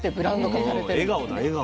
もう笑顔だ笑顔。